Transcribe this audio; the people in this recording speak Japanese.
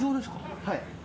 はい。